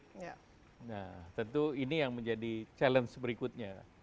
nah tentu ini yang menjadi challenge berikutnya